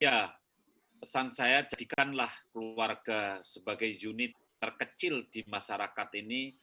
ya pesan saya jadikanlah keluarga sebagai unit terkecil di masyarakat ini